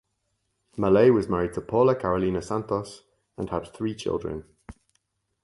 Malay was married to Paula Carolina Santos and had three children.